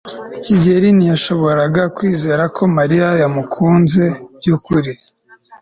kigeri ntiyashoboraga kwizera ko mariya yamukunze by'ukuri